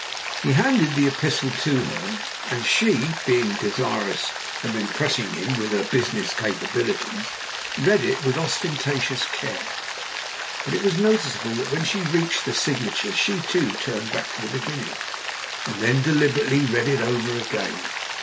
He handed the epistle to her, and she, being desirous of impressing him with her business capabilities, read it with ostentatious care. But it was noticeable that when she reached the signature she too turned back to the beginning, and then deliberately read it over again.